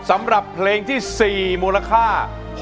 สำหรับเพลงที่๔มูลค่า